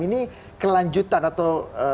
ini kelanjutan atau